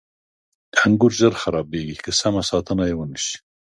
• انګور ژر خرابېږي که سمه ساتنه یې ونه شي.